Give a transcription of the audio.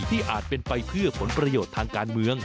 อาจเป็นไปเพื่อผลประโยชน์ทางการเมือง